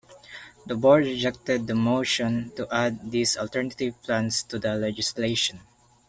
The Board rejected the motion to add these alternative plans to the legislation.